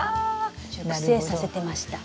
熟成させてました。